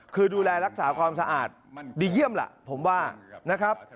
คือดูแลรักษาความสะอาดเดียยมผมว่า